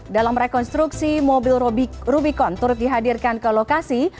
dalam rekonstruksi mobil rubicon turut dihadirkan ke lokasi